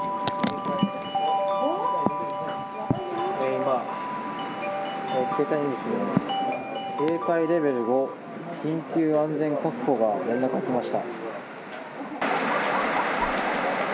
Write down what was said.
今、携帯にですね、警戒レベル５、緊急安全確保が出ました。